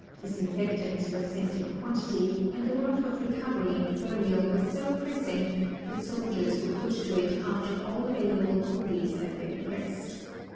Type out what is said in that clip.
Disinfectants were sent in quantity, and the work of recoverv and burial was so pressing that soldiers were put to it after all available coolies had been impressed.